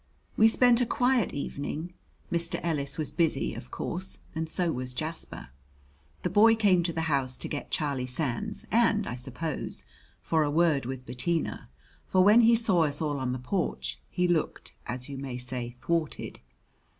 We spent a quiet evening. Mr. Ellis was busy, of course, and so was Jasper. The boy came to the house to get Charlie Sands and, I suppose, for a word with Bettina, for when he saw us all on the porch he looked, as you may say, thwarted.